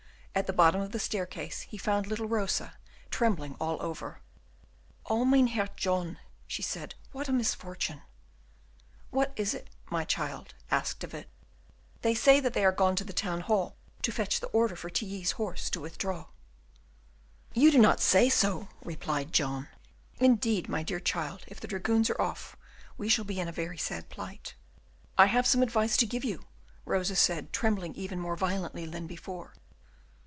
At the bottom of the staircase he found little Rosa, trembling all over. "Oh, Mynheer John," she said, "what a misfortune!" "What is it, my child?" asked De Witt. "They say that they are gone to the Town hall to fetch the order for Tilly's horse to withdraw." "You do not say so!" replied John. "Indeed, my dear child, if the dragoons are off, we shall be in a very sad plight." "I have some advice to give you," Rosa said, trembling even more violently than before.